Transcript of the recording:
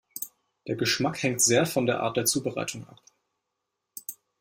Der Geschmack hängt sehr von der Art der Zubereitung ab.